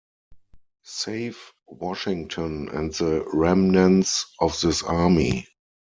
Save Washington and the remnants of this army.